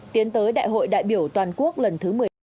tiến tới đại hội đại biểu toàn quốc lần thứ một mươi ba